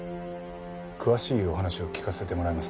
詳しいお話を聞かせてもらえますか？